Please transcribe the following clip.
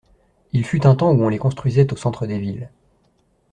Il fut un temps où on les construisait au centre des villes.